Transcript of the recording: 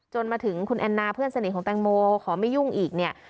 มาถึงคุณแอนนาเพื่อนสนิทของแตงโมขอไม่ยุ่งอีกเนี่ย